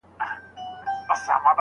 ښه ژوند بېله محبته نه ترلاسه کيږي.